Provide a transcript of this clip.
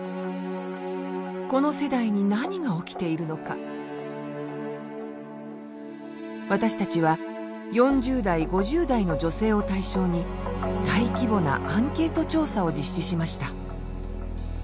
この世代に何が起きているのか私たちは４０代５０代の女性を対象に大規模なアンケート調査を実施しました。